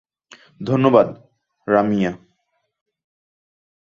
ধন্যবাদ, রাম্যিয়া।